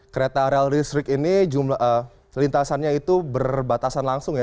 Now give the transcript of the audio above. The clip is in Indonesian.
kereta rl restrict ini lintasannya itu berbatasan langsung ya